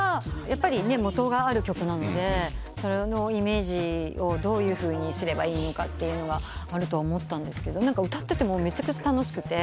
やっぱり元がある曲なのでそれのイメージをどういうふうにすればいいのかあると思ったんですけど歌っててもうめちゃくちゃ楽しくて。